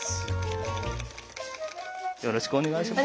よろしくお願いします。